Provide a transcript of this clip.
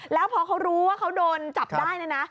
แล้วพอเขารู้ว่าเขาโดนจับได้เนี่ยนะ